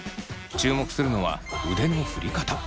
注目するのは腕の振り方。